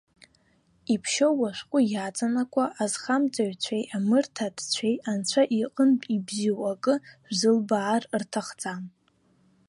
Иԥшьоу ашәҟәы иаҵанакуа азхамҵаҩцәеи амырҭаҭцәеи Анцәа иҟынтә ибзиоу акы шәзылбаар рҭахӡам.